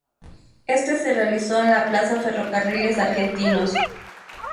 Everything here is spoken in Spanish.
Este se realizó en la Plaza Ferrocarriles Argentinos